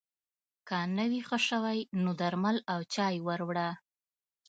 که نه وي ښه شوی نو درمل او چای ور وړه